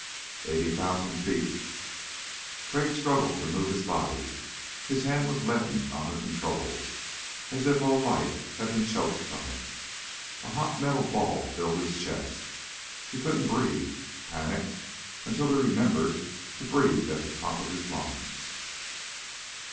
"Eighty thousand feet...." Crag struggled to move his body. His hand was leaden on the controls, as if all life had been choked from it. A hot metal ball filled his chest. He couldn't breathe. Panic ... until he remembered to breathe at the top of his lungs.